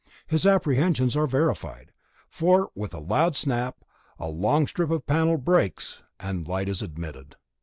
His apprehensions are verified, for, with a loud snap, a long strip of panel breaks, and light is admitted.